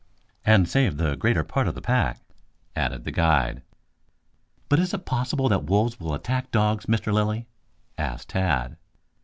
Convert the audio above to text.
"And saved the greater part of the pack," added the guide. "But, is it possible that wolves will attack dogs, Mr. Lilly?" asked Tad.